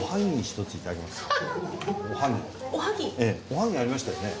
おはぎありましたよね？